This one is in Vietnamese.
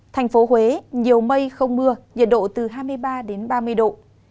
thành phố huế nhiều mây không mưa nhiệt độ từ hai mươi ba đến ba mươi độ